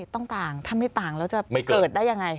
ต้องต่างถ้าไม่ต่างเราจะเกิดได้อย่างไร